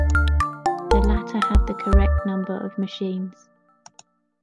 The latter had the correct number of machines.